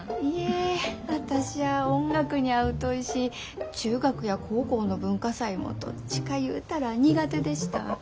いえ私ゃあ音楽にゃあ疎いし中学や高校の文化祭もどっちか言うたら苦手でした。